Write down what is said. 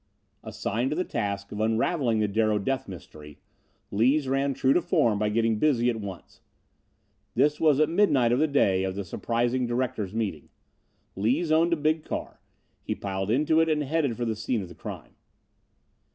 Assigned to the task of unraveling the Darrow death mystery, Lees ran true to form by getting busy at once. This was at midnight of the day of the surprising directors' meeting. Lees owned a big car; he piled into it and started for the scene of the crime.